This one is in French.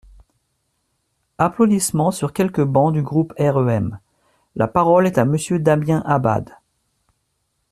(Applaudissements sur quelques bancs du groupe REM.) La parole est à Monsieur Damien Abad.